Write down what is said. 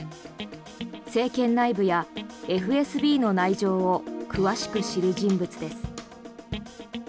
政権内部やＦＳＢの内情を詳しく知る人物です。